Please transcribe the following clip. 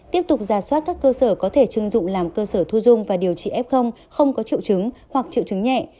tiếp tục giả soát các cơ sở có thể chưng dụng làm cơ sở thu dung và điều trị f không có triệu chứng hoặc triệu chứng nhẹ